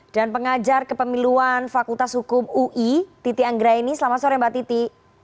dan pengajar kepemiluan fakultas hukum ui titi anggraini selamat sore mbak titi